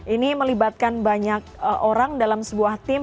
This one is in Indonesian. ini melibatkan banyak orang dalam sebuah tim